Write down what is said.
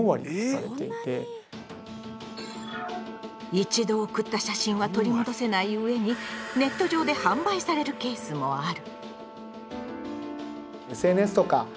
一度送った写真は取り戻せないうえにネット上で販売されるケースもある。